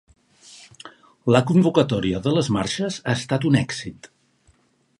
La convocatòria de les marxes ha estat un èxit